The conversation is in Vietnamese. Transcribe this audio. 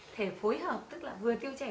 thể phối hợp tức là vừa tiêu chảy